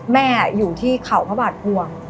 แม่อยู่ที่เขาพระบาทภวง